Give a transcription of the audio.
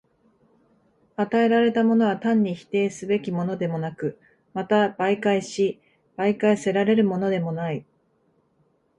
与えられたものは単に否定すべきものでもなく、また媒介し媒介せられるものでもない。